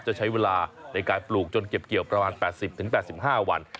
จะใช้เวลาในการปลูกจนเก็บเกี่ยวประมาณ๘๐๘๕วัน